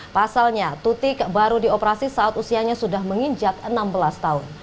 pasalnya tutik baru dioperasi saat usianya sudah menginjak enam belas tahun